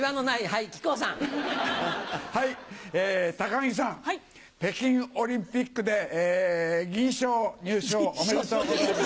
木さん北京オリンピックで銀賞入賞おめでとうございます。